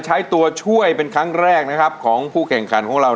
ใช้ตัวช่วยเป็นครั้งแรกนะครับของผู้แข่งขันของเรา